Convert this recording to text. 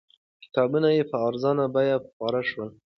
کتابونه یې په ارزانه بیه خپاره شول.